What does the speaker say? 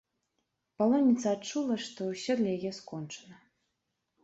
Палонніца адчула, што ўсё для яе скончана.